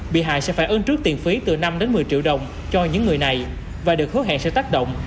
bị hại sẽ phải ơn trước tiền phí từ năm đến một mươi triệu đồng cho những người này và được hứa hẹn sẽ tác động